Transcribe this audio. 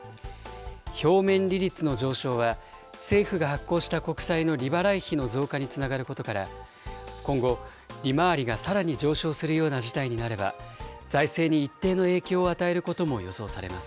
表面利率の上昇は、政府が発行した国債の利払い費の増加につながることから、今後、利回りがさらに上昇するような事態になれば、財政に一定の影響を与えることも予想されます。